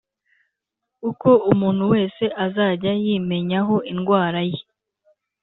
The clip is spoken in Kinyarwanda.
Uko umuntu wese azajya yimenyaho indwara ye